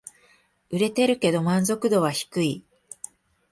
売れてるけど満足度は低い